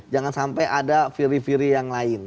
jangan sampai ada fiery firy yang lain